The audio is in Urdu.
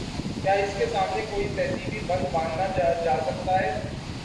کیا اس کے سامنے کوئی تہذیبی بند باندھا جا سکتا ہے؟